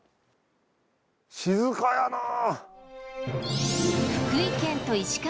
静かやなぁ。